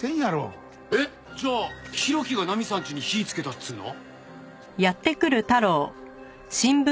えっじゃあ浩喜がナミさんちに火つけたっつうの？